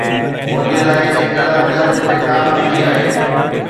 منهنجي لاءِ انتظار ڪر جتي ڪار بيٺي آهي